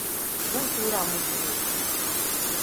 zan tura muku hoto